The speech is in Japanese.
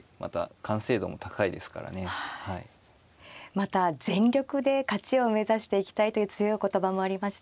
また全力で勝ちを目指していきたいという強い言葉もありました。